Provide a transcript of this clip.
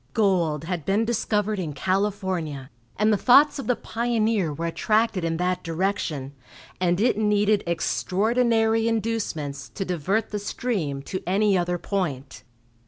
Gold had been discovered in California, and the thoughts of the pioneer were attracted in that direction, and it needed extraordinary inducements to divert the stream to any other point.